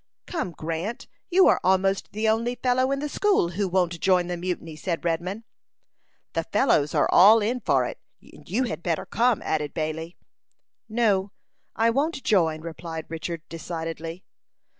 "Come, Grant, you are almost the only fellow in the school who won't join the mutiny," said Redman. "The fellows are all in for it, and you had better come," added Bailey. "No; I won't join," replied Richard, decidedly.